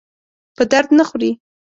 په درد نه خوري.